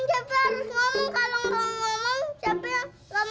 cepi ga mau tahan nafas